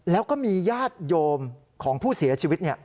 แล้วก็มีญาติโยมของผู้เสียชีวิต